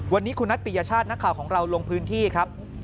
วันนี้คุณนัทปิยชาตินักข่าวของเราลงพื้นที่ครับ